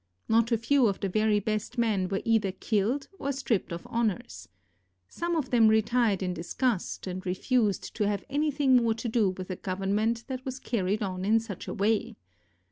Not a few of the very best men were either killed or stripped of honors. Some of them retired in disgust, and refused to have anything more to do with a government that was carried on in such a way.